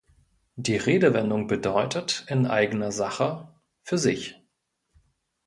Die Redewendung bedeutet "„in eigener Sache“", "„für sich“".